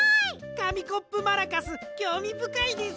かみコップマラカスきょうみぶかいです。